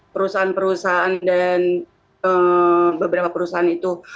perusahaan perusahaan dan beberapa perusahaan itu